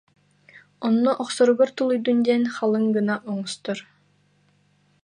Онно охсоругар тулуйдун диэн халыҥ гына оҥостор